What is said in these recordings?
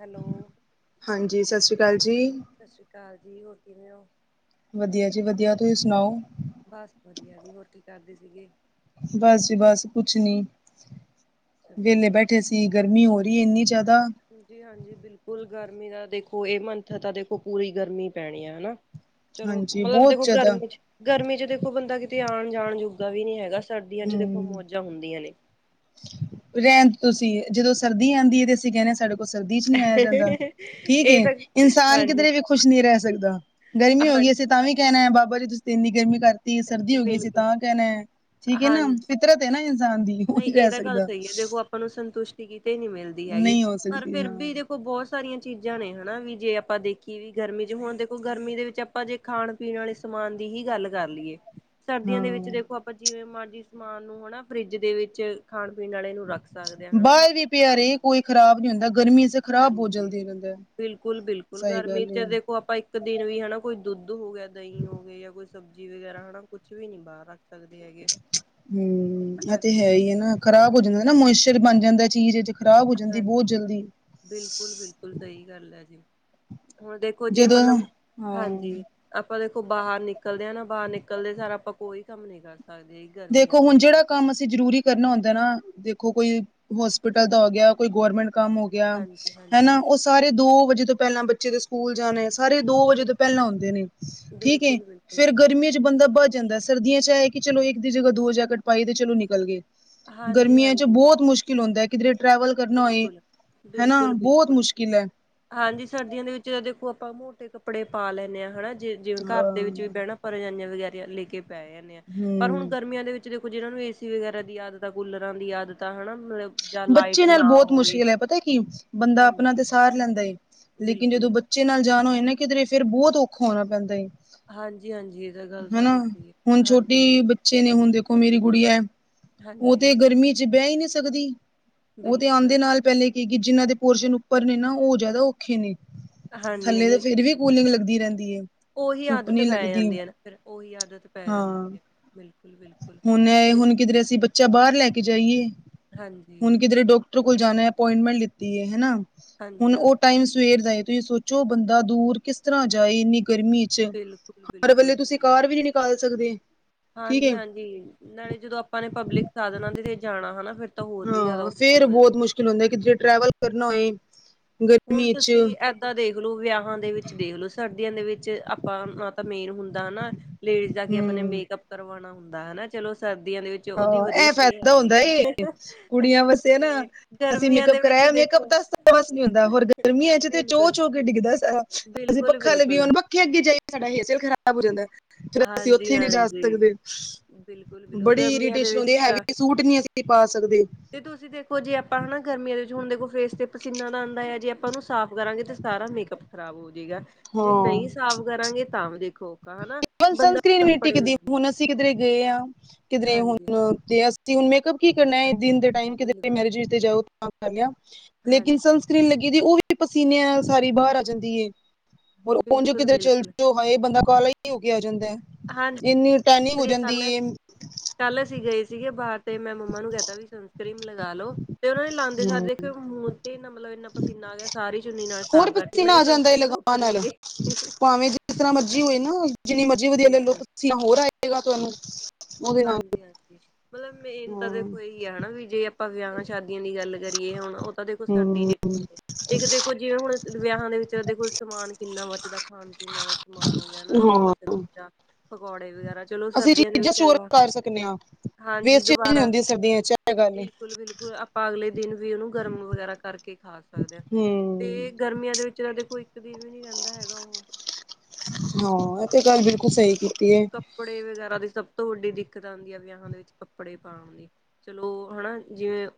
Hello. ਹਾਂਜੀ ਸਸ ਸ੍ਰੀ ਕਾਲ ਜੀ। ਸਸ ਸ੍ਰੀ ਕਾਲ ਜੀ। ਹੋਰ ਕਿਵੇਂ ਓ? ਵਧੀਆ ਜੀ ਵਧੀਆ। ਤੁਸੀ ਸੁਣਾਓ? ਬਸ ਵਧੀਆ ਜੀ। ਹੋਰ ਕੀ ਕਰਦੇ ਸੀਗੇ? ਬਸ ਜੀ ਬਸ ਕੁਛ ਨੀ। ਵੇਲੇ ਚਲੋ ਬੈ ਠੈ ਸੀ ਗਰਮੀ ਹੋ ਰੀ ਏ, ਏਨੀ ਜਾਦਾ। ਜੀ ਹਾਂਜੀ। ਬਿਲਕੁਲ ਗਰਮੀ ਦਾ ਦੇਖੋ, ਇਹ ਮੰਥ ਤਾਂ ਦੇਖੋ ਪੂਰੀ ਗਰਮੀ ਪੈਣੀ ਆ ਹਨਾਂ। ਚਲੋ ਹਾਂਜੀ ਮਤਲਬ ਬਹੁਤ ਦੇਖੋ ਜ਼ਿਆਦਾ ਗਰਮੀ ਚ ਗਰਮੀ ਚ ਦੇਖੋ ਬੰਦਾ ਕਿਤੇ ਆਣ-ਜਾਣ ਜੋਗਾ ਵੀ ਨ੍ਹੀਂ ਹੈਗਾ ਸਰਦੀਆਂ ਚ ਦੇਖੋ ਹੂੰ ਮੌਜਾਂ ਹੁੰਦੀਆਂ ਨੇ। ਰਹਿਣ ਦੋ ਤੁਸੀਂ, ਜਦੋਂ ਸਰਦੀ ਆਂਦੀ ਐ ਤੇ ਅਸੀਂ ਕਹਿਨੇ ਸਾਡੇ ਕੋਲ ਸਰਦੀ ਚ ਨ੍ਹੀਂ ਆਇਆ ਜਾਂਦਾ। ਠੀਕ ਏ, ਇਹ ਤਾਂ ਇਨਸਾਨ ਹਾਂਜੀ ਕਿਧਰੇ ਵੀ ਖੁਸ਼ ਨ੍ਈ ਰਹਿ ਸਕਦਾ ਗਰਮੀ ਹੋ ਗਈ ਹਾਂਜੀ ਅਸੀਂ ਤਾਂ ਵੀ ਕਹਿਣਾ ਐ ਬਾਬਾ ਜੀ ਤੁਸੀਂ ਤੇ ਇੰਨੀ ਗਰਮੀ ਕਰਤੀ, ਸਰਦੀ ਹੋ ਗਈ ਅਸੀ ਤਾਂ ਕਹਿਣਾ ਐ। ਹਾਂਜ, ਉਹ ਨਈਂ ਨਹੀਂ ਇਹ ਰਹਿ ਤਾਂ ਗੱਲ ਸਕਦਾ ਸਹੀ ਐ ਦੇਖੋ ਆਪਾਂ ਨੂੰ ਸੰਤੁਸ਼ਟੀ ਕੀਤੀ ਕਿਤੇ ਨ੍ਹੀਂ ਮਿਲਦੀ ਹੈਗੀ ਨਹੀਂ ਹੋ ਪਰ ਸਕਦੀ ਫਿਰ ਹਾਂ ਵੀ ਦੇਖੁ ਦੇਖੋ ਬਹੁਤ ਸਾਰੀਆਂ ਚੀਜ਼ਾਂ ਨੇ ਹਨਾਂ ਵੀ ਜੇ ਆਪਾਂ ਦੇਖੀ ਵੀ ਗਰਮੀ ਚ ਹੁਣ ਦੇਖੋ ਗਰਮੀ ਦੇ ਵਿੱਚ ਆਪ ਆਪਾਂ ਜੇ ਖਾਣ-ਪੀਣ ਵਾਲੇ ਸਮਾਨ ਦੀ ਹੀ ਗੱਲ ਕਰ ਲਈਏ ਸਰਦੀਆਂ ਦੇ ਵਿੱਚ ਹਾਂ ਦੇਖੋ ਆਪਾਂ ਆਪਾਂ ਜਿਵੇਂ ਮਰਜ਼ੀ ਸਮਾਨ ਨੂੰ ਹਨਾ ਫਰਿੱਜ ਦੇ ਵਿੱਚ ਖਾਣ-ਪੀਣ ਵਾਲੇ ਨੂੰ ਰੱਖ ਸਕਦੇ ਆ ਹਨਾ ਬਾਹਰ ਵੀ ਪਿਆ ਆਰਾਮ ਰੇ ਨਾਲ ਕੋਈ ਖ਼ਰਾਬ ਨੀ ਹੁੰਦਾ, ਗਰਮੀ ਚ ਖ਼ਰਾਬ ਬਹੁਤ ਹਾਂਜੀ। ਜਲਦੀ ਹੋ ਜਾਂਦਾ। ਬਿਲਕੁਲ ਬਿਲਕੁਲ, ਸਹੀ ਗਰਮੀ ਗੱਲ ਹੈ ਚ ਦੇਖ ਆਪਾਂ ਇੱਕ ਦਿਨ ਵੀ ਹਨਾ ਕੋਈ ਦੁੱਧ ਹੋ ਗਿਆ, ਦਹੀਂ ਹੋ ਗੇ ਜਾਂ ਕੋਈ ਸਬਜ਼ੀ ਵਗੈਰਾ ਹਨਾ ਕੁਛ ਵੀ ਨੀ ਬਾਹਰ ਰੱਖ ਸਕਦੀ ਹੈਗੇ। ਹਂ ਆ ਤੇ ਹਾਂਜੀ ਹੈ ਈ ਹਾਂਜੀ ਐ ਨਾ ਖ਼ਰਾਬ ਹੋ ਜਾਂਦਾ ਨਾ ਮੋਇਸ਼ਰ ਬਣ ਜਾਂਦਾ ਚੀਜ਼ ਇਚ ਹਾਂਜ ਬਿਲਕੁਲ ਬਿਲਕੁਲ ਸਹੀ ਗੱਲ ਐ ਜੀ। ਹੁਣ ਦੇਖੋ ਜੇ ਜਦੋਂ ਮਤਲਬ ਹਾਂ ਹਾਂਜੀ ਆਪਾਂ ਦੇਖੋ ਬਾਹਰ ਨਿਕਲਦੇ ਹਾਂ ਨਾ ਬਾਹਰ ਨਿਕਲਦੇ ਸਾਰਾ ਆਪਾਂ ਕੋਈ ਕੰਮ ਨੀ ਕਰ ਸਕਦੇ। ਗਰਮੀਆਂ ਦੇਖੋ ਦੇ ਹੁਣ ਵਿੱਚ ਜਿਹੜਾ ਕੰਮ ਅਸੀਂ ਜ਼ਰੂਰੀ ਕਰਨਾ ਹੁੰਦਾ ਨਾ ਦੇਖੋ ਕੋਈ ਹੋਸਪਿਟਲ ਦਾ ਹੋ ਗਿਆ, ਕੋਈ ਗਵਰਮੈਂਟ ਕੰਮ ਹੋ ਗਿਆ। ਹਾਂਜੀ ਹਾਂਜੀ ਹੈਨਾਂ ਉਹ ਸਾਰੇ ਦੋ ਵਜੇ ਤੋਂ ਪਹਿਲਾਂ ਬੱਚੇ ਦੇ ਸਕੂਲ ਜਾਣੇ ਸਾਰੇ ਦੋ ਵਜੇ ਤੋਂ ਬਿਲਕੁਲ ਪਹਿਲਾਂ ਹੁੰਦੇ ਨੇ ਠੀਕ ਏ, ਬਿਲਕੁਲ ਬਿਲਕੁਲ ਫੇਰ ਗਰਮੀਆਂ ਚ ਬੰਦਾ ਬਚ ਜਾਂਦਾ ਏ। ਸਰਦੀਆਂ ਚ ਇਹ ਕਿ ਚਲੋ ਇੱਕ ਦੀ ਜਗ੍ਹਾ ਦੋ ਜੈਕਟ ਪਾਈ ਤੇ ਚਲੋ ਨਿਕਲ ਗਏ, ਹਾਂਜੀ ਗਰਮੀਆਂ ਚ ਹਾਂਜੀ ਬਹੁਤ ਮੁਸ਼ਕਿਲ ਮੁਸ਼ਕਿਲ ਹੁੰਦਾ, ਕਿਧਰੇ ਟਰੈਵਲ ਕਰਨਾ ਹੋਏ ਬਿਲਕੁਲ ਹਨਾਂ ਬਿਲਕੁਲ ਬਹੁਤ ਬਿਲਕੁਲ ਮੁਸ਼ਕਿਲ ਐ। ਹਾਂਜੀ ਸਰਦੀਆਂ ਦੇ ਵਿੱਚ ਦੇਖੋ ਆਪਾਂ ਮੋਟੇ ਕੱਪੜੇ ਪਾ ਲੈਣੇ ਆਂ ਹਨਾਂ ਜੇ ਜਿਵੇਂ ਘਰ ਦੇ ਵਿੱਚ ਵੀ ਅਹ ਬਹਿਣਾ ਅਪਾਂ ਰਜਾਇਆਂ ਵਗੈਰਾ ਲੈ ਕੇ ਪੈ ਜਾਂਣੇ ਆ, ਪਰ ਹੁਣ ਹਮ ਗਰਮੀਆਂ ਦੇ ਵਿੱਚ ਦੇਖੋ ਜਿਹਨਾਂ ਨੂੰ ਏ ਸੀ ਵਗੈਰਾ ਦੀ ਆਦਤ ਆ, ਕੂਲਰਾਂ ਦੀ ਆਦਤ ਆ ਹਨਾਂ ਮਤਲਬ ਜਾਂ ਲਾਈਟ ਬੱਚੇ ਨਾਲ ਨਾ ਬੋਤ ਹੋਵੇ ਮੁਸ਼ਕਿਲ ਐ ਪਤਾ ਕੀ ਬੰਦਾ ਹਾਂਜੀ ਆਪਣਾ ਤੇ ਸਾਰ ਲੈਂਦਾ ਏ ਲੇਕਿਨ ਜਦੋਂ ਬਿਲਕੁਲ, ਬਚ ਬੱਚੇ ਨਾਲ ਜਾਣ ਹੋਏ ਨਾ ਕਿਧਰੇ ਫੇਰ ਬਹੁਤ ਔਖਾ ਹੋਣਾ ਪੈਂਦਾ ਏ। ਹਾਂਜੀ-ਹਾਂਜੀ ਇਹ ਤਾਂ ਗੱਲ ਹਨਾਂ ਤੁਹਾਡੀ ਸਹੀ ਹੈ, ਹੁਣ ਹਾਂਜੀ-ਹਾਂਜੀ। ਛੋਟੀ ਬੱਚੇ ਨੇ ਹੁਣ ਦੇਖੋ ਮੇਰੀ ਕੁੜੀ ਐ ਹਾਂਜੀ, ਉਹ ਹਾਂਜੀ ਤੇ ਗਰਮੀ ਚ ਬਹਿ ਈ ਨ੍ਹੀਂ ਸਕਦੀ। ਉਹ ਤੇ ਬਿਲਕੁਲ, ਆਂਦੇ ਨਾਲ ਪਹਿਲੇ ਕੇ ਗੀ ਜਿੰਨਾਂ ਦੇ ਪੋਰਸ਼ਨ ਉੱਪਰ ਨੇ ਨਾ ਉਹ ਜ਼ਿਆਦਾ ਓ ਔਖੇ ਨੇ ਥੱਲੇ ਤਾਂ ਹਾਂਜੀ-ਹਾਂਜੀ। ਫਿਰ ਵੀ ਕੂਲਿੰਗ ਲੱਗਦੀ ਰਹਿੰਦੀ ਐ। ਉਹੀ ਆਦਤ ਪੈ ਜਾਂਦੀ ਐ ਨਾ ਫਿਰ ਓਹੀ ਆਦਤ ਪੈ ਜਾਂਦੀ ਐ। ਬਿਲਕੁਲ ਬਿਲਕੁਲ। ਹੁਣੇ ਹੁਣ ਕਿਧਰੇ ਅਸੀਂ ਬੱਚਾ ਬਾਹਰ ਲੈ ਕੇ ਜਾਈਏ ਹਾਂਜੀ, ਹੁਣ ਕਿਧਰੇ ਡੋਕ ਟਰ ਕੋਲ ਜਾਣਾ ਅਪੋਇੰਟਮੈਂਟ ਲਿਤੀ ਐ ਹਨਾਂ, ਹਾਂਜੀ ਹੁਣ ਹਾਂ, ਉਹ ਟਾਈਮ ਸਵੇਰ ਦਾ ਏ ਤੁਸੀਂ ਸੋ ਚੋ ਬੰਦਾ ਦੂਰ ਕਿਸ ਤਰ੍ਹਾਂ ਜਾਏ ਇੰਨੀ ਗਰਮੀ ਇਚ ਹਰ ਬਿਲਕੁਲ-ਬਿਲਕੁਲ ਵੇਲੇ ਤੁਸੀਂ ਕਾਰ ਵੀ ਨੀ ਕਾਲ ਸਕਦੇ। ਠੀਕ ਹੈ ਹਾਂਜੀ ਹਾਂਜੀ, ਨਾਲੇ ਜਦੋਂ ਆਪਾਂ ਨੇ ਪਬਲਿਕ ਸਾਧਨਾਂ ਦੇ ਤੇ ਜਾਣਾ ਹਨਾ ਫਿਰ ਤਾਂ ਹੋਰ ਵੀ ਜ਼ਿਆਦਾ ਔਖਾ ਹੋ ਜਾਂਦਾ। ਚਲੋ ਜੇ ਕਿਧਰੇ ਟਰੈਵਲ ਕਰਨਾ ਹੋਏ। ਹੁਣ ਗਰਮੀ ਚ ਤੁਸੀਂ ਏਦਾਂ ਦੇਖ ਲਓ ਵਿਆਹਾਂ ਦੇ ਵਿੱਚ ਦੇਖਲੋ ਸਰਦੀਆਂ ਦੇ ਵਿੱਚ ਆਪਾਂ ਅ ਤਾਂ ਮੇਨ ਹੁੰਦਾ ਹਨਾਂ ਲੇਡੀਜ਼ ਜਾ ਕੇ ਆਪਣੇ ਹਮ ਮੇਕਅਪ ਕਰਵਾਣਾ ਹੁੰਦਾ ਹਨਾਂ। ਚਲੋ ਸਰਦੀਆਂ ਦੇ ਵਿੱਚ ਉਹਦੀ ਹਾਂ ਵਧੀਆ ਇਹ ਸਟੇਅ ਹੋ ਫਾਇਦਾ ਜਾਂਦੀ ਹੁੰਦਾ ਏ ਹੈ ਕੁੜੀਆਂ ਵਸੇ ਨਾ ਤੇ ਗਰਮੀਆਂ ਦੇ ਵਿੱਚ ਦੇਖੋ ਬਸ ਨੀ ਹੁੰਦਾ ਹੋਰ ਗਰਮੀਆਂ 'ਚ ਤੇ ਚੋਅਹ ਬਿਲਕੁਲ ਚੋਹ ਕੇ ਡਿੱਗਦਾ ਸਾਰਾ ਅਸੀਂ ਬਿਲਕੁਲ ਪੱਖਾ ਲਭੀਏ ਬਿਲਕੁਲ ਵੀ ਪੱਖੇ ਅੱਗੇ ਜਾਈਏ ਤੇ ਸਾਡਾ ਹੇਅਰ ਸਟਾਈਲ ਖਰਾਬ ਹੋ ਜਾਂਦਾ ਫਿਰ ਅਸੀਂ ਹਾਂਜੀ ਉੱਥੇ ਨਹੀਂ ਜਾ ਹਾਂਜੀ ਸਕਦੇ ਬਿਲਕੁਲ ਬਿਲ ਗ [unintelligible] ਇਰਿਟੇਸ਼ਨ ਹੁੰਦੀ ਹੈਵੀ ਸੂਟ ਨੀ ਅਸੀਂ ਪਾ ਸਕਦੇ। ਤੇ ਤੁਸੀਂ ਦੇਖੋ ਜੇ ਆਪਾਂ ਹਨਾ ਗਰਮੀਆਂ ਦੇ ਵਿੱਚ ਹੁਣ ਦੇਖੋ ਫੇਸ ਤੇ ਪਸੀਨਾ ਦਾ ਆਉਂਦਾ ਹੈ ਜੇ ਆਪਾਂ ਨੂੰ ਸਾਫ਼ ਜੇ ਕਰਾਂਗੇ ਤੇ ਸਾਰਾ ਮੇਕਅਪ ਖਰਾਬ ਹੋ ਜਾਏਗਾ। ਹਾਂ ਜੇ ਨਹੀਂ ਸਾਫ਼ ਕਰਾਂਗੇ ਤਾਂ ਵੀ ਦੇਖੋ ਔਖਾ ਹਨਾ। ਹੁਣ ਬੰਦਾ ਸਨਸਕ੍ਰੀਨ ਵੀ ਨਹੀਂ ਕੱਪੜੇ ਟਿਕਦੀ! ਹੁਣ ਅਸੀਂ ਕਿਧਰੇ ਗਏ ਹਾਂ ਕਿਧਰੇ ਹੁਣ ਹਾਂਜੀ ਤੇ ਅਸੀਂ ਹੁਣ ਮੇਕਪ ਕੀ ਕਰਨਾ ਦਿਨ ਦੇ ਟੈਮ ਕਿਤੇ ਬਿਲਕੁਲ ਮੈਰਿਜ ਜਾਓ ਤਾਂ ਕਰ ਲਿਆ ਲੇਕਿਨ ਹਾਂਜੀ ਸਨ ਸਨਸਕਰੀਨ ਲੱਗੀ ਉਹ ਵੀ ਪਸੀਨੇ ਨਾਲ ਸਾਰੀ ਬਾਹਰ ਆ ਜਾਂਦੀ ਏ। ਔਰ ਉਂਝ ਬਿਲਕੁਲ ਕਿਧਰੇ ਚੱਲ ਬਿਲਕੁਲ ਜਾਓ! ਹਾਏ ਬੰਦਾ ਕਾਲਾ ਹੀ ਹੋ ਕੇ ਆ ਜਾਂਦਾ ਹਾਂਜੀ ਇੰਨੀ ਟੈਨਿੰਗ ਹੋ ਸ੍ਰੀ ਜਾਂਦੀ ਕੱਲ ਏ। ਕੱਲ ਅਸੀਂ ਗਏ ਸੀਗੇ ਬਾਹਰ ਤੇ ਮੈਂ ਮੰਮਾ ਨੂੰ ਕਹਿਤਾ ਸਨਕ੍ਰੀਮ ਲਗਾ ਲੋੋ। ਤੇ ਉਹ ਨੇ ਲਾਂਦੇ ਸਾਰੇ ਦੇਖਿਆ ਮੂੰਹ ਤੇ ਮਤਲਬ ਇੰਨਾ ਪਸੀਨਾ ਆ ਗਿਆ ਸਾਰੀ ਚੁੰਨੀ ਨਾਲ ਸਾਫ਼ ਕਰਤੀ ਮੈਂ ਕਿਹਾ ਸਨ ਨਹੀਂ ਲਗਾਉਣ ਨਾਲੋਂ [inaudible] ਜਿਸ ਤਰ੍ਹਾਂ ਮਰਜ਼ੀ ਹੋਏ ਨਾ ਜਿੰਨੀ ਮਰਜ਼ੀ ਵਧੀਆ ਲੈ ਲਓ ਬਿਲਕੁਲ ਪਸੀਨਾਂ ਹੋਰ ਆਏਗਾ ਤੁਹਾਨੂੰ। ਉਹਦੇ ਨਾਲ ਹਾਂਜੀ ਹਾਂਜੀ ਮਤਲਬ ਮੇਨ ਤਾਂ ਹਾਂ ਦੇਖੋ ਇਹੀ ਆ ਹਨਾ ਵੀ ਜੇ ਆਪਾਂ ਵਿਆਹਾਂ ਸ਼ਾਦੀਆਂ ਦੀ ਗੱਲ ਕਰੀਏ ਹੁਣ ਉਹ ਤਾਂ ਦੇਖੋ ਸਰਦੀ ਹੂੰ ਦੇ ਜਿ ਇੱਕ ਦੇਖੋ ਜਿਵੇਂ ਹੁਣ ਅਸਾਂ ਵਿਆਹਾਂ ਦੇ ਵਿੱਚ ਦੇਖੋ ਸਮਾਨ ਕਿੰਨਾ ਬਚਦਾ ਖਾਣ ਪੀਣ ਵਾਲਾ ਸਮਾਨ ਉਹ ਹੁੰਦਾ ਨਾ ਰੋਟੀ ਹਾਂ ਸਬਜ਼ੀ ਦਾ ਪਕੌੜੇ ਵਗੈਰਾ ਚਲੋ ਅਸੀਂ ਸਰਦੀਆਂ ਦੇ ਚੀਜ਼ਾਂ ਵਿੱਚ! ਸਟੋਰ ਅਗਲਾ ਕਰ ਸਕਦੇ ਹਾਂ ਹਾਂਜੀ ਵੇਸਟ ਚੀਜ਼ ਨੀ ਹੁੰਦੀ ਸਰਦੀਆਂ 'ਚ ਵਿਆਹ ਕਰਕੇ ਤੇ ਆਪਾਂ ਅਗਲੇ ਦਿਨ ਵੀ ਉਹਨੂੰ ਗਰਮ ਵਗੈਰਾ ਕਰਕੇ ਖਾ ਸਕਦੇ ਹਾਂ ਤੇ ਹੂੰ ਗਰਮੀਆਂ ਦੇ ਵਿੱਚ ਤਾਂ ਦੇਖੋ ਇੱਕ ਦਿਨ ਵੀ ਨਹੀਂ ਰਹਿੰਦਾ ਹੈਗਾ ਉਹ ਹੋਰ ਇਹ ਹੈ ਕਪ ਬੜੇ ਵਗੈਰਾ ਦੀ ਸਭ ਤੋਂ ਵੱਡੀ ਦਿੱਕਤ ਆਉਂਦੀ ਹੈ ਵਿਆਹਾਂ ਦੇ ਵਿੱਚ ਕੱਪੜੇ ਪਾਉਣ ਦੀ। ਚਲੋ ਹਨਾ ਜਿਵੇਂ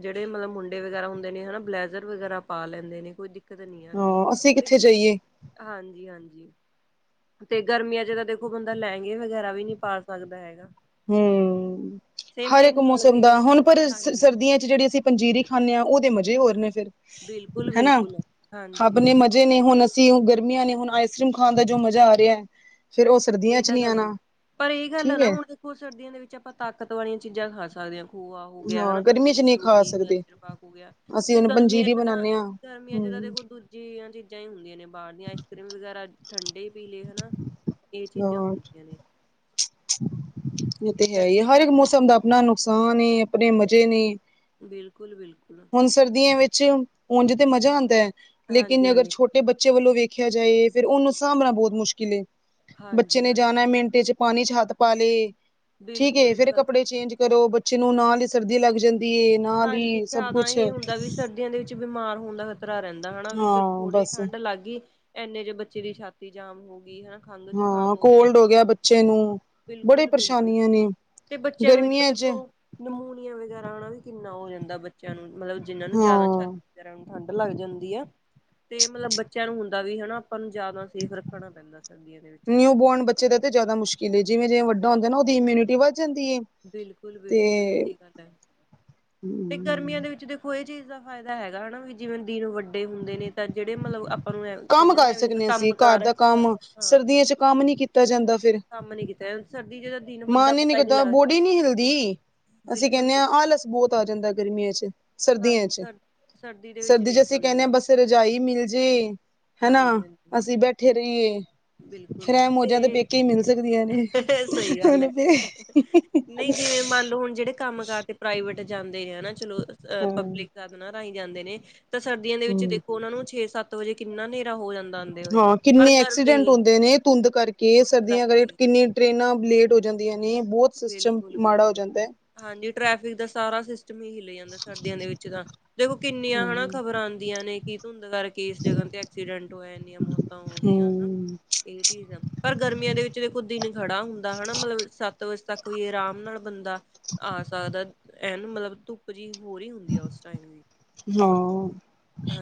ਜਿਹੜੇ ਮਤਲਬ ਮੁੰਡੇ ਵਗੈਰਾ ਹੁੰਦੇ ਨੇ ਹਨਾ ਬਲੇੈਜ਼ਰ ਵਗੈਰਾ ਪਾ ਲੈਂਦੇ ਨੇ ਕੋਈ ਦਿੱਕਤ ਨਹੀਂ ਆਉਂਦੀ ਹਾਂ ਅਸੀਂ ਤੇ ਕਿੱਥੇ ਜਾਈਏ? ਹਾਂਜੀ- ਹਾਂਜੀ। ਤੇ ਗਰਮੀਆਂ 'ਚ ਤਾਂ ਦੇਖੋ ਬੰਦਾ ਲਹਿੰਗੇ ਵਗੈਰਾ ਵੀ ਨਹੀਂ ਪਾ ਸਕਦਾ ਹੈਗਾ। ਹਮ ਸੇਮ ਹਰ ਮੇਰੇ ਇੱਕ ਨਾਲ ਮੌਸਮ ਵੀ ਦਾ ਹੁਣ ਪਰ ਹਾਂਜੀ ਸਰਦੀਆਂ 'ਚ ਜਿਹੜੀ ਅਸੀਂ ਪੰਜੀਰੀ ਖਾਂਦੇ ਹਾਂ ਉਹਦੇ ਮਜ਼ੇ ਹੋਰ ਨੇ ਫ਼ਿਰ। ਬਿਲਕੁਲ ਬਿਲਕੁਲ ਹਾਂਜੀ। ਜਿਹਨੇ ਹੁਣ ਅਸੀਂ ਉਹ ਗਰਮੀਆਂ ਨੇ ਹੁਣ ਆਈਸ ਕਰੀਮ ਖਾਣ ਦਾ ਜੋ ਮਜ਼ਾ ਆ ਰਿਹਾ। ਫੇਰ ਉਹ ਸਰਦੀਆਂ ਇਹ ਚ ਤਾਂ ਨਹੀਂ ਗੱਲ ਹੈਗੀ ਆਉਣਾ ਪਰ ਇਹ ਗੱਲ ਆ ਠੀਕ ਨਾ ਹੈ ਹੁਣ ਦੇਖੋ ਸਰਦੀਆਂ ਦੇ ਵਿੱਚ ਆਪਾਂ ਤਾਕਤ ਵਾਲੀਆਂ ਚੀਜ਼ਾਂ ਖਾ ਸਕਦੇ ਹਾਂ। ਖੋਆ ਹੋ ਗਿਆ ਹਾਂ ਹਨਾ, ਗਰਮੀ ਚ ਪੰਜੀਰੀ ਨਹੀਂ ਹੋ ਖਾ ਗਈ, ਸਕਦੇ ਗਾਜਰ ਪਾਕ ਹੋ ਗਿਆ ਅਸੀਂ ਤੇ ਹੁਣ ਗਰਮੀਆਂ ਪੰਜੀਰੀ 'ਚ ਤਾਂ ਬਣਾਉਦੇ ਹਾਂ ਗਰਮੀਆਂ 'ਚ ਤਾਂ ਹਮ ਦੇਖੋ ਦੂਜੀਆਂ ਚੀਜ਼ਾਂ ਹੀ ਹੁੰਦੀਆਂ ਨੇ ਬਾਹਰ ਦੀਆਂ ਆਈਸਕ੍ਰੀਮ ਵਗੈਰਾ ਠੰਡੇ ਪੀਲੇ ਹਨਾਂ ਇਹ ਚੀਜ਼ਾਂ ਹਾਂ ਹੁੰਦੀਆਂ ਨੇ। ਇਹ ਤੇ ਹੈ ਹੀ ਹੈ ਹਰ ਇੱਕ ਮੌਸਮ ਦਾ ਆਪਣਾ ਨੁਕਸਾਨ ਐ ਆਪਣੇ ਮਜ਼ੇ ਨੇ। ਬਿਲਕੁਲ ਬਿਲਕੁਲ। ਹੁਣ ਸਰਦੀਆਂ ਵਿੱਚ ਉਂਝ ਤੇ ਮਜ਼ਾ ਆਉੰਦਾ ਹੈ ਲੇਕਿਨ ਹਾਂਜੀ ਅਗਰ ਹਾਂਜੀ ਛੋਟੇ ਬੱਚੇ ਵੱਲੋਂ ਵੇਖਿਆ ਜਾਏ ਫੇਰ ਉਹਨੂੰ ਸਾਂਭਣਾ ਬਹੁਤ ਮੁਸ਼ਕਿਲ ਏ ਬੱਚੇ ਹਾਂਜੀ ਨੇ ਹਾਂਜੀ ਜਾਣਾ ਮਿੰਟ 'ਚ' ਪਾਣੀ ਚ ਹੱਥ ਪਾ ਲਏ, ਠੀਕ ਬਿਲਕੁਲ ਇਹ ਤਾਂ ਫੇਰ ਗੱਲ ਕੱਪੜੇ ਚੇਂਜ ਕਰੋ ਬੱ ਬੱਚੇ ਨੂੰ ਨਾਲ ਹੀ ਸਰਦੀ ਲੱਗ ਜਾਂਦੀ ਐ ਨਾਲ ਹੀ ਸਭ ਤਾਂ ਕੁਛ ਇਹ ਹੁੰਦਾ ਵੀ ਸਰਦੀਆਂ ਦੇ ਵਿੱਚ ਬਿਮਾਰ ਹੋਣ ਦਾ ਖ਼ਤਰਾ ਰਹਿੰਦਾ ਹਨਾ ਵੀ ਹਾਂ ਥੋੜੀ ਬਸ ਠੰਢ ਲੱਗ ਗਈ। ਇੰਨੇ ਚੇ ਬੱਚੇ ਦੀ ਛਾਤੀ ਜਾਮ ਹੋ ਗਈ ਹਨਾਂ। ਹਾਂ ਕੋਲਡ ਹੋ ਗਿਆ ਬੱਚੇ ਨੂੰ, ਬੜੇ ਬਿਲਕੁਲ-ਬਿਲਕੁਲ ਪਰੇਸ਼ਾਨੀਆਂ ਨੇ। ਤੇ ਬੱਚਿਆਂ ਨੂੰ ਇੱਕ ਗਰਮੀਆਂ ਚ ਦੇਖੋ ਨਮੂਨੀਆ ਵਗੈਰਾ ਨਾ ਵੀ ਕਿੰਨਾ ਹੋ ਜਾਂਦਾ ਬੱਚਿਆਂ ਨੂੰ ਮਤਲਬ ਜਿਹਨਾਂ ਨੂੰ ਜ਼ਿਆਦਾ ਸ਼ਾ ਹਾਂ ਵਗ਼ੈਰਾ ਨੂੰ ਠੰਢ ਲੱਗ ਜਾਂਦੀ ਐ ਤੇ ਮਤਲਬ ਬੱਚਿਆਂ ਨੂੰ ਹੁੰ ਦਾ ਵੀ ਹਨਾ ਆਪਾਂ ਨੂੰ ਜ਼ਿਆਦਾ ਸੇਫ ਰੱਖਣਾ ਪੈਂਦਾ ਸਰਦੀਆਂ ਦੇ ਵਿੱਚ। ਨਿਊ ਬੋਰਨ ਬੱਚੇ ਦਾ ਤਾਂ ਜ਼ਿਆਦਾ ਮੁਸ਼ਕਿਲ ਐ ਜਿਵੇਂ ਜਿਵੇਂ ਵੱਡਾ ਹੁੰਦਾ ਨਾ ਉਹਦੀ ਇਮਿਊਨਿਟੀ ਵਧ ਜਾਂਦੀ ਐ। ਬਿਲਕੁਲ-ਬਿਲਕੁਲ ਸੀ ਗੱਲ ਐ ਤੇ ਗਰਮੀਆਂ ਹਮ ਦੇ ਵਿੱਚ ਦੇਖੋ ਕੋਈ ਇਹ ਚੀਜ਼ ਦਾ ਫਾਇਦਾ ਹੈਗਾ ਹਨਾ ਵੀ ਜਿਵੇਂ ਦਿਨ ਵੱਡੇ ਹੁੰਦੇ ਨੇ ਤਾਂ ਜਿਹੜੇ ਮਤਲਬ ਕੰਮ ਕਈਆਂ ਨੂੰ ਕਰ ਐ ਵੀ ਹੁੰਦਾ ਸਕਦੇ ਹਾਂ ਕੰਮ ਅਸੀਂ ਘਰ ਕਾਰ ਦਾ ਕੰਮ ਹਾਂ ਸਰਦੀਆਂ ਚ ਕੰਮ ਨੀ ਕੀਤਾ ਜਾਂਦਾ ਫਿਰ ਕੰਮ ਨੀ ਕੀਤਾ ਸਰਦੀ ਜ ਮਨ ਹੀ ਨੀ ਕਿੱਦਾਂ ਬੋਡੀ ਨੀ ਹਿਲਦੀ ਅਸੀਂ ਕਹਿੰਦੇ ਹਾਂ ਬਿਲਕੁਲ-ਬਿਲਕੁਲ ਆਲਸ ਬਹੁਤ ਆ ਜਾਂਦਾ ਗਰਮੀਆਂ ਚ ਸਰਦੀਆਂ ਹਾਂਜੀ ਚ, ਸਰ ਦੇ ਵਿੱਚ ਸਰਦੀ ਨੀ ਚ ਅਸੀਂ ਆਪਾਂ ਨੂੰ ਕਹਿੰਦੇ ਹਾਂ ਦਿੰਦਾ ਬਸ ਰਜਾਈ ਮਿਲ ਜੇ ਹਨਾ ਹਾਂਜੀ-ਹਾਂਜੀ ਅਸੀਂ ਬੈਠੇ ਰਹੀਏ ਬਿਲਕੁਲ ਫਿਰ ਐ ਮੌਜਾਂ ਦੇ ਤੇ ਪੇਕੇ ਹੀ ਮਿਲ ਸਕਦੀਆਂ ਨੇ ਸਹੀ ਗੱਲ ਐ, ਹੁਣ ਫੇਰ ਨਹੀਂ ਜਿਵੇਂ ਮੰਨ ਲਓ ਹੁਣ ਜਿਹੜੇ ਕੰਮ ਕਾਰ ਤੇ ਪ੍ਰਾਈਵੇਟ ਜਾਂਦੇ ਹਨਾ ਚਲੋ ਅਹ ਹੂੰ ਪਬਲਿਕ ਸਾਧਨਾਂ ਰਾਹੀਂ ਜਾਂਦੇ ਨੇ ਤਾਂ ਸਰਦੀਆਂ ਦੇ ਵਿੱਚ ਹੂੰ ਦੇਖੋ ਉਹਨਾਂ ਨੂੰ ਛੇ ਸੱਤ ਵਜੇ ਕਿੰਨਾ ਹਨੇਰਾ ਹੋ ਜਾਂਦਾ ਹੋਏ ਹਾਂ ਪਰ ਕਿੰਨੇ ਗਰਮੀ ਐਕਸੀਡੈਂਟ ਹੁੰਦੇ ਨੇ ਧੁੰਦ ਕਰਕੇ ਸਰਦੀਆਂ ਕਰਕੇ ਕਿੰਨੀ ਆ ਟਰੇਨਾਂ ਲੇਟ ਹੋ ਜਾਂਦੀਆਂ ਨੇ ਬਹੁਤ ਸਿਸਟਮ ਬਿਲਕੁਲ ਮਾੜਾ ਹੋ ਬਿਲਕੁਲ ਜਾਂਦਾ ਐ ਹਾਂਜੀ ਟ੍ਰੈਫਿਕ ਦਾ ਸਾਰਾ ਸਿਸਟਮ ਹੀ ਹਿਲ ਜਾਂਦਾ ਸਰਦੀਆਂ ਦੇ ਵਿੱਚ ਤਾਂ ਦੇਖੋ ਕਿੰਨੀਆਂ ਹਨਾ ਹੂੰ ਖ਼ਬਰਾਂ ਆਂਦੀਆਂ ਨੇ ਕਿ ਧੁੰਦ ਕਰਕੇ ਇਸ ਜਗ੍ਹਾ ਤੇ ਐਕਸੀਡੈਂਟ ਹੋਇਆ ਔਰ ਨ ਮੌਤਾਂ ਹੋ ਗਈਆਂ ਹਨਾ ਹੂੰ ਇਹ ਚੀਜ਼ ਆ ਪਰ ਗਰਮੀਆਂ ਦੇ ਵਿੱਚ ਦੇਖੋ ਦਿਨ ਖੜਾ ਹੁੰਦਾ ਹਨਾ ਮਤਲਬ ਸੱਤ ਵਜ ਤੱਕ ਵੀ ਆਰਾਮ ਨਾਲ ਬੰਦਾ ਆ ਸਕਦਾ ਐਨ ਮਤਲਬ ਧੱਪ ਕੁਝੀ ਹੋਰ ਈ ਹੁੰਦੀ ਆ ਉਸ ਟਾਈਮ ਦੀ ਹਾਂ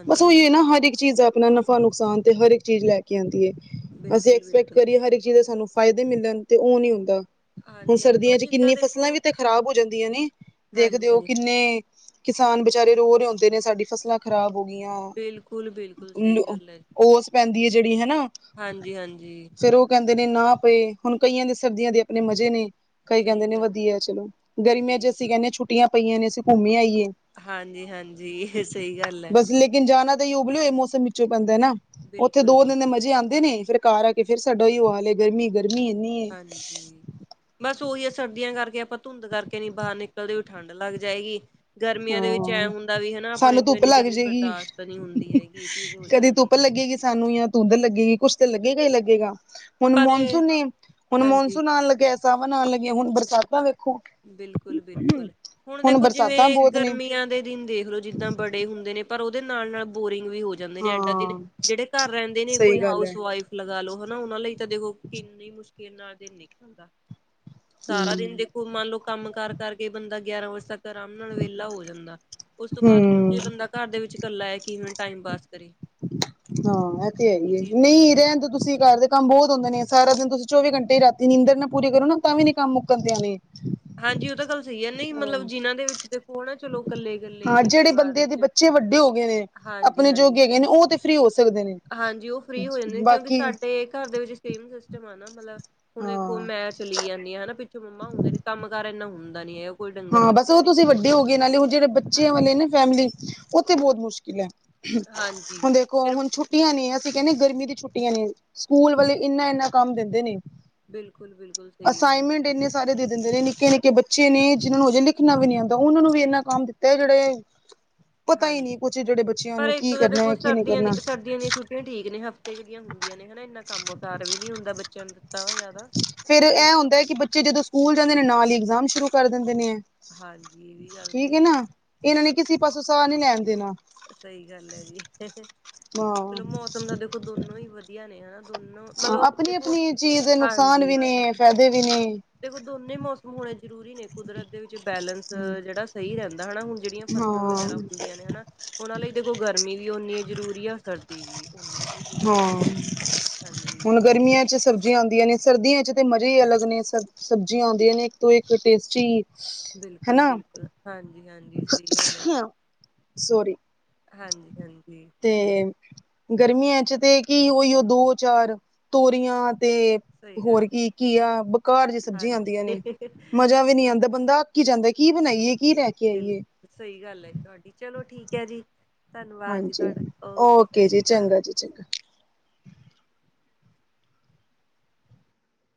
ਬਸ ਉਹੀ ਐ ਹਾਂਜੀ ਨਾ ਹਰ ਇੱਕ ਚੀਜ਼ ਐ ੜ ਆਪਣਾ ਨਫਾ ਨੁਕਸਾਨ ਤੇ ਹਰ ਇੱਕ ਚੀਜ਼ ਲੈ ਕੇ [unintelligible] ਅਸੀਂ ਬਿਲਕੁਲ ਐਕਸਪੈਕਟ ਬਿਲਕੁਲ ਕਰੀਏ ਹਰ ਚੀਜ਼ ਦੇ ਸਾਨੂੰ ਫਾਇਦੇ ਮਿਲਣ ਤੇ ਉਹ ਨੀ ਹੁੰਦਾ ਹੁਣ ਹਾਂਜੀ ਹਾਂਜੀ ਪਰ ਸਰਦੀਆਂ ਚ ਜਿੱਦਾਂ ਕਿੰਨੀ ਦੇਖੋ ਫਸਲਾਂ ਵੀ ਤੇ ਖ਼ਰਾਬ ਹੋ ਜਾਂਦੀਆਂ ਨੇ ਦੇਖਦੇ ਹਾਂਜੀ ਹੋ ਹਾਂਜੀ ਕਿੰਨੇ ਕਿਸਾਨ ਬ ਵਿਚਾਰੇ ਰੋ ਰਹੇ ਹੁੰਦੇ ਨੇ ਸਾਡੀ ਫਸਲਾਂ ਖ਼ਰਾਬ ਹੋ ਗਈਆਂ, ਬਿਲਕੁਲ ਬਿਲਕੁਲ ਸਹੀ ਓਸ ਪੈਂਦੀ ਹੈ ਜਿਹੜੀ ਹਨਾ ਹਾਂਜੀ-ਹਾਂਜੀ ਫੇਰ ਉਹ ਕਹਿੰਦੇ ਨੇ ਨਾ ਪਈ ਹੁਣ ਕਈਆਂ ਦੇ ਸਰਦੀਆਂ ਦੇ ਆਪਣੇ ਮਜ਼ੇ ਨੇ ਕਈ ਕਹਿੰਦੇ ਸਹੀ ਨੇ ਗੱਲ ਵਧੀਆ ਚਲੋ ਗਰਮੀਆਂ ਚੇ ਸਹੀ ਅਸੀਂ ਕਹਿੰਦੇ ਛੁੱਟੀਆਂ ਪਈਆਂ ਨੇ ਅਸੀਂ ਘੁੰਮੇ ਆਈਏ ਹਾਂਜੀ-ਹਾਂਜੀ ਇਹ ਸਹੀ ਗੱਲ ਐ। ਬਸ ਲੇਕਿਨ ਜਾਣਾ ਤਾਂ ਹੀ ਉਬਲਿਓ ਇਹ ਮੌਸਮ ਵਿੱਚੋਂ ਪੈਂਦਾ ਨਾ ਉੱਥੇ ਬਿਲਕੁਲ ਦੋ ਦਿਨ ਦੇ ਬਿਲਕੁਲ ਮਜ਼ੇ ਆਉਦੇ ਨੇ ਫਿਰ ਘਰਰ ਆ ਕੇ ਫੇਰ ਸਾਡਾ ਈ ਉਹ ਹਾਲੇ ਗਰਮੀ-ਗਰਮੀ ਇੰਨੀ ਹਾਂਜੀ ਬਸ ਉਹੀ ਆ ਸਰਦੀਆਂ ਕਰਕੇ ਆਪਾਂ ਧੁੰਦ ਕਰਕੇ ਨੀ ਬਾਹਰ ਨਿਕਲਦੇ ਹੋ ਠੰਢ ਲੱਗ ਜਾਏਗੀ। ਗਰਮੀਆਂ ਦੇ ਵਿੱਚ ਐਂ ਹਾਂ ਹੁੰਦਾ ਵੀ ਹਨਾ ਆਪਣੇ ਸਾਨੂੰ ਤੋਂ ਧੁੱਪ ਇੰਨੀ ਲੱਗ ਗਰਮੀ ਜਾਏਗੀ ਬਰਦਾਸ਼ਤ ਨੀ ਹੁੰਦੀ ਹੈਗੀ ਇਹ ਚੀਜ਼ ਹੋ ਕਦੇ ਜਾਂਦੀ ਧੁੱਪ ਲੱਗੇਗੀ ਸਾਨੂੰ ਜਾਂ ਧੂੰਦ ਲੱਗੇਗੀ ਕੁੱਛ ਤਾਂ ਲੱਗੇਗਾ ਹੀ ਲੱਗੇਗਾ ਹੁਣ ਪਰ ਮੌਨਸੂਨ ਹੀ ਹੁਣ ਹਾਂਜੀ ਮੌਨਸੂਨ ਆਣ ਲੱਗਿਆ ਸਾਵਣ ਆਣ ਲਗੀਆਂ ਹੁਣ ਬਰਸਾਤਾਂ ਵੇਖੋ ਬਿਲਕੁਲ-ਬਿਲਕੁਲ ਹੁਣ ਦੇਖੋ ਬਰਸਾਤਾਂ ਜਿਵੇਂ ਤੇ ਬਹੁਤ ਨੇ ਗਰਮੀਆਂ ਦੇ ਦਿਨ ਦੇਖ ਲੋ ਜਿੱਦਾਂ ਬੜੇ ਹੁੰਦੇ ਨੇ ਪਰ ਉਹਦੇ ਨਾਲ-ਨਾਲ ਬੋਰਿੰਗ ਵੀ ਹੋ ਜਾਂਦੇ ਨੇ ਐਡਾ ਜ ਹਾਂ ਜਿਹੜੇ ਘਰ ਰਹਿੰਦੇ ਨੇ ਸਹੀ ਕੋਈ ਗੱਲ ਹੈ ਹਾਊਸ ਵਈਫ ਲਗਾ ਲੋ ਹਨਾ ਉਹਨਾਂ ਲਈ ਤਾਂ ਦੇਖੋ ਕਿੰਨੀ ਮੁਸ਼ਕਿਲ ਨਾਲ ਜ ਨਿਕਲਦਾ ਸਾਰਾ ਦਿਨ ਹਮ ਦੇਖੋ ਮੰਨ ਲਓ ਕੰਮ ਕਾਰ ਕਰਕੇ ਬੰਦਾ ਗਿਆਰਾਂ ਵਜੇ ਤੱਕ ਆਰਾਮ ਨਾਲ ਵਿਹਲਾ ਹੋ ਜਾਂਦਾ ਉਸ ਤੋਂ ਬਾਅਦ ਹੁਣ ਹਮ ਜੇ ਬੰਦਾ ਘਰ ਦੇ ਵਿੱਚ ਕਰਲਾ ਹੈ ਕਿਵੇਂ ਟਾਈਮ ਪਾਸ ਕਰੇ ਹਾਂ ਇਹ ਤੇ ਹੈ ਹੀ ਹੈ ਚੀਜ਼ ਹੋ ਜਾਂਦੀ। ਨਹੀਂ ਰਹਿਣਦੇ ਤੁਸੀਂ ਘਰ ਦੇ ਕੰਮ ਬਹੁਤ ਹੁੰਦੇ ਨੇ ਸਾਰਾ ਦਿਨ ਤੁਸੀਂ ਚੌਵੀ ਘਟੇ ਰਾਤੀ ਨੀਦਰ ਨਾ ਪੂਰੇ ਕਰੋ ਨਾ ਤਾਂ ਵੀ ਨੀ ਕੰਮ ਮੁੱਕਣਦੇ ਆਣੇ ਹਾਂਜੀ ਉਹ ਤਾਂ ਗੱਲ ਸਹੀ ਹੈ ਨਹੀਂ ਮਤਲਬ ਜਿਨਾਂ ਦੇ ਵਿੱਚ ਦੇਖੋ ਹੈ ਨਾ ਚਲੋ ਇਕੱਲੇ -ਕੱਲੇ ਹੀ ਹਾਂ ਨੇ ਜਿਹੜੇ ਪਰਿਵਾਰ ਬੰਦੇ ਦੇ ਵਿੱਚ ਬੱਚੇ ਵੱਡੇ ਹੋ ਗਏ ਨੇ ਹਾਂਜੀ ਆਪਣੇ -ਹਾਂਜੀ। ਜੋਗੇ ਹੈਗੇ ਨੇ ਉਹ ਤੇ ਫ੍ਰਰੀ ਹੋ ਸਕਦੇ ਨੇ ਹਾਂਜੀ ਉਹ ਫ੍ਰਰੀ ਹੋ ਜਾਂਦੇ ਨੇ ਕਿਉਂਕਿ ਬਾਕੀ ਸਾਡੇ ਘਰ ਦੇ ਵਿੱਚ ਸੇਮ ਸਿਸਟਮ ਆ ਨਾ ਮਤਲਬ ਹੁਣ ਦੇਖੋ ਹਾਂ ਮੈਚ ਚਲੀ ਜਾਂਦੀ ਆ ਹਨਾ ਪਿੱਛੋਂ ਮੰਮਾ ਹੁੰਦੇ ਨੇ ਕ ਕੰਮ ਕਾਰ ਇੰਨਾ ਹੁੰਦਾ ਨੀ ਹੈ ਉਹ ਹਾਂ ਬਸ ਉਹ ਤੁਸੀਂ ਵੱਡੇ ਹੋ ਗਏ ਨਾਲੇ ਹੁਣ ਜਿਹੜੇ ਬੱਚਿਆਂ ਵਾਲੇ ਹਾਂਜੀ- ਨਾ ਫੈਮਿਲੀ ਉਹਥੇ ਬਹੁਤ ਮੁਸ਼ਕਿਲ ਹੈ। ਹਾਂਜੀ ਹੁਣ ਦੇਖੋ ਫਿਰ ਹੁਣ ਛੁੱ ਛੁੱਟੀਆਂ ਨੇ ਅਸੀਂ ਕਹਿੰਦੇ ਗਰਮੀ ਦੀ ਛੁੱਟੀਆਂ ਨੇ ਸਕੂਲ ਵਾਲੇ ਇੰਨਾ-ਇੰਨਾ ਕੰਮ ਦਿੰਦੇ ਨੇ ਬਿਲਕੁਲ ਬਿਲਕੁਲ। ਸਹੀ ਗੱਲ ਹੈ ਅਸਾਈਨਮੈਂਟ ਇੰਨੇ ਸਾਰੇ ਦੇ ਦਿੰਦੇ ਨੇ ਨਿੱਕੇ ਨਿੱਕੇ ਬੱਚੇ ਨੇ ਹਾਂ- ਜਿਹਨਾਂ ਨੂੰ ਹੋ ਜਾਂ ਲੀਖਣਾ ਵੀ ਨੀ ਆਉਂਦਾ ਉਹਨਾਂ ਨੂੰ ਵੀ ਇੰਨਾਂਨਾ ਕੰਮ ਦਿੱਤਾ ਜਿਹੜੇ ਪਤਾ ਹਾਂਜੀ। ਹੀ ਨਹੀਂ ਕੁਛ ਜਿਹੜੇ ਬੱਚਿਆਂ ਪਰ ਨੂੰ ਕੀ ਕਰਨਾ ਹੈ ਕੀ ਨਹੀਂ ਕਰਨਾ। ਬ ਠੀਕ ਨੇ ਹਫ਼ਤੇ ਦੀਆਂ ਹੁੰਦੀਆਂ ਨੇ ਹਨਾ ਇੰਨਾ ਕੰਮ ਕਾਰ ਵੀ ਨੀ ਹੁੰਦਾ ਬੱਚਿਆਂ ਨੂੰ ਦਿੱਤਾ ਹੋਇਆ। ਫੇਰ ਇਹ ਹੁੰਦਾ ਹੈ ਕਿ ਬੱਚੇ ਜਦੋਂ ਸਕੂਲ ਜਾਂਦੇ ਨੇ ਨਾਲ ਹੀ ਇਗਜ਼ਾਮ ਸ਼ੁਰੂ ਕਰ ਦਿੰਦੇ ਨੇ ਹੈ। ਹਾਂਜੀ ਇਹ ਵੀ ਗੱਲ ਠੀਕ ਸਹੀ ਨਾ ਇਹਨਾਂ ਨੇ ਕਿਸੇ ਪਾਸੋਂ ਸਾਹ ਨੀ ਲੈਣ ਦੇਣਾ। ਸਹੀ ਗੱਲ ਹੈ ਜੀ ਹਾਂ ਚਲੋ ਮੌਸਮ ਦਾ ਦੇਖੋ ਦੋਨੋ ਹੀ ਵਧੀਆ ਵਦੀਆ ਨੇ ਹਨਾ ਦੋਨ ਮਤਲਬ ਦੇਖੋ ਆਪਣੀ-ਆਪਣੀ ਚੀਜ਼ ਦੇ ਨੁਕਸਾਨ ਹਾਂਜੀ। ਵੀ ਨੇ ਫਾਇਦੇ ਵੀ ਨੇ ਤੇਖੋ ਦੋਨੇ ਮੌਸਮ ਹੋਣੇ ਜ਼ਰੂਰੀ ਨੇ ਕੁਦਰਤ ਦੇ ਵਿੱਚ ਬੈਲੈਂਸ ਜਿਹੜਾ ਸਹੀ ਰਹਿੰਦਾ ਹਨਾ ਹੁਣ ਜਿਹੜੀਆਂ ਫਸਲਾਂ ਵਗੈਰਾ ਹਾਂ-ਹਾਂ ਹੁੰਦੀਆਂ ਨੇ ਹਨਾ। ਉਹਨਾਂ ਲਈ ਦੇਖੋ ਗਰਮੀ ਵੀ ਓਨੀ ਹੈ ਜ਼ਰੂਰੀ ਹੈ ਸਰਦੀ ਵੀ। ਓਨੀ ਹੀ ਜ਼ਰੂਰੀ ਹਾਂ ਆ ਹਾਂਜੀ ਉਹਨ। ਗਰਮੀਆਂ ਚ ਸਬਜ਼ੀਆਂ ਆਉਂਦੀਆਂ ਨੇ ਸਰਦੀਆਂ ਚ ਤੇ ਮਜ਼ੇ ਹੀ ਅਲੱਗ ਨੇ ਸ ਸਬਜ਼ੀਆਂ ਆਉਂਦੀਆਂ ਨੇ ਇੱਕ ਤੋਂ ਇੱਕ ਟੇਸਟੀ। ਬਿਲਕੁਲ ਹਨਾ ਬਿਲਕੁਲ। ਹਾਂਜੀ ਹਾਂਜੀ ਸਹੀ ਗੱਲ ਹੈ ਸੋਰੀ ਹਾਂਜੀ ਹਾਂਜੀ। ਤੇ ਗਰਮੀਆਂ ਚ ਤੇ ਕੀ ਹੋਇਓ ਦੋ ਚਾਰ ਤੋਰੀਆਂ ਤੇ ਸਹੀ ਗੱਲ ਹੋਰ ਕੀ ਘੀਆ ਬੁਕਾਰ ਜਿਹੀ ਸਬਜ਼ੀਆਂ ਹਾਂਜੀ ਆਉਂਦੀਆਂ ਨੇ ਬਿਲਕੁਲ ਮਜ਼ਾ ਵੀ ਨਹੀਂ ਆਉਂਦਾ ਬੰਦਾ। ਜਾਂਦਾ ਕੀ ਬਣਾਈਏ ਕੀ ਰਹਿ ਬਿਲੁ ਸਹੀ ਗੱਲ ਹੈ ਜੀ ਤੁਹਾਡੀ ਚਲੋ ਠੀਕ ਹੈ ਜੀ। ਧੰਨਵਾਦ ਜੀ ਹਾਂਜੀ ਤੁਹਾਡਾ ਓਕੇ ਸਤਿ ਜੀ ਸ਼੍ਰੀ ਅਕਾਲ। ਚੰਗਾ ਜੀ ਚੰਗਾ